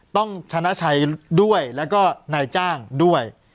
ต้องชนะชัยด้วยแล้วก็นายจ้างด้วย